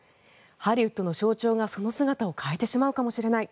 ハリウッドの象徴がその姿を変えてしまうかもしれない。